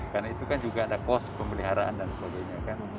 karena itu kan juga ada kos pemeliharaan dan sebagainya